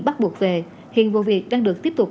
bắt buộc về hiện vụ việc đang được tiếp tục